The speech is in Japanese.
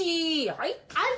はい！